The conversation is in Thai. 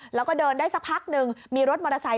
แล้วก็เดินได้สักพักหนึ่งมีรถมอเตอร์ไซค